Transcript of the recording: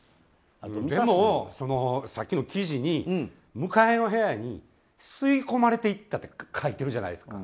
でも、さっきの記事に向かいの部屋に吸い込まれていったって書いてるじゃないですか。